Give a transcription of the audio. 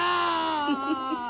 フフフフ。